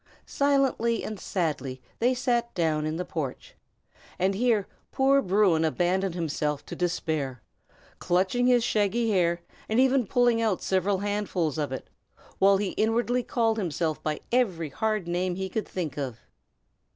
Silently and sadly they sat down in the porch, and here poor Bruin abandoned himself to despair, clutching his shaggy hair, and even pulling out several handfuls of it, while he inwardly called himself by every hard name he could think of.